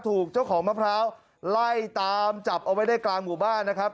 ถูกเจ้าของมะพร้าวไล่ตามจับเอาไว้ได้กลางหมู่บ้านนะครับ